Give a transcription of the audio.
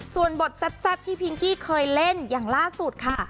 ส่วนบทแซ่บที่พิงกี้เคยเล่นอย่างล่าสุดค่ะ